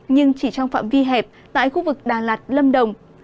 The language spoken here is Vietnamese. nhưng chỉ trong phạm vi hẹp tại khu vực đà lạt lâm đồng